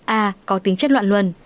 a có tính chất loạn luân